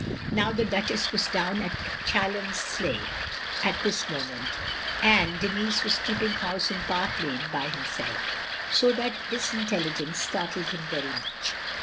" Now the Duchess was down at Challonsleigh, at this moment, and Denis was keeping house in Park Lane by himself, so that this intelligence startled him very much.